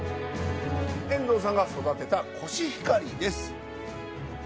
遠藤さんが育てたコシヒカリです。